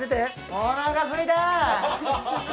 おなかすいた！